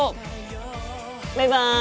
バイバイ！